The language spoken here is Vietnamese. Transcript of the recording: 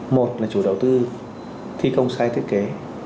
một là chủ đầu tư thi công sai thiết kế